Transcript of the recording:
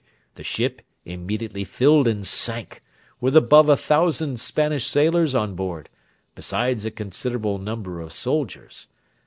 The ship immediately filled and sank, with above a thousand Spanish sailors on board, besides a considerable number of soldiers.